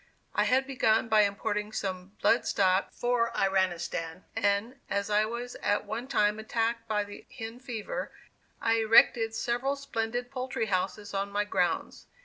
I had begun by importing some blood stock for Iranistan, and, as I was at one time attacked by the "hen fever," I erected several splendid poultry houses on my grounds.